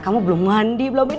kamu belum mandi belum ini